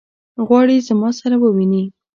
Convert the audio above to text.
غواړي زما سره وویني.